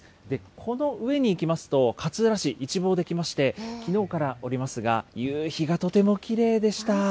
この上に行きますと、勝浦市一望できまして、きのうからおりますが、夕日がとてもきれいでした。